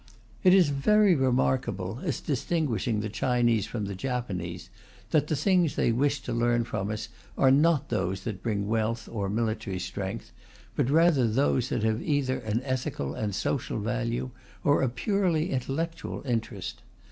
It is very remarkable, as distinguishing the Chinese from the Japanese, that the things they wish to learn from us are not those that bring wealth or military strength, but rather those that have either an ethical and social value, or a purely intellectual interest.